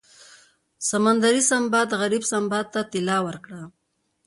سمندري سنباد غریب سنباد ته طلا ورکړه.